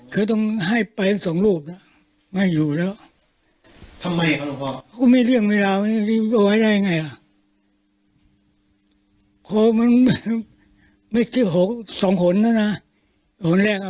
เพื่อให้ก็ให้สองรูปไม่อยู่แล้วทำไมเขาจะพร่อมก็ไม่เรียกเวลา